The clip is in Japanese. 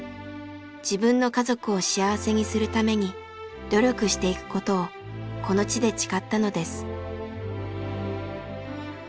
自分の家族を幸せにするために努力していくことをこの地で誓ったのです。